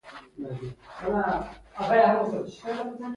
لومړی ګړیدل پیلیږي او عصبي فعالیتونه غږیز غړي خوځوي